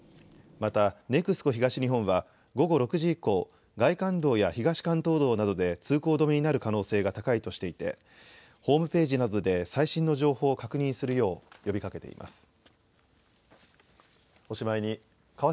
また、ＮＥＸＣＯ東日本は午後６時以降、外環道や東関東道などで通行止めになる可能性が高いとしていて、ホームページなどで最新の情報を確認するよう呼びかけています。